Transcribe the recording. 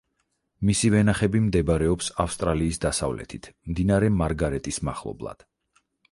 მისი ვენახები მდებარეობს ავსტრალიის დასავლეთით, მდინარე მარგარეტის მახლობლად.